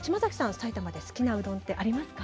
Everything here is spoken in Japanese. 埼玉で好きなうどんがありますか？